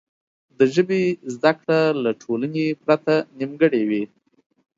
د ژبې زده کړه له ټولنې پرته نیمګړې وي.